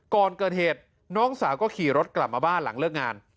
ก่อนเกิดเหตุน้องสาวก็ขี่รถกลับมาบ้านหลังเลิกงาน